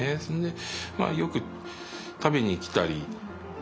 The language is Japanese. それでよく食べに来たり。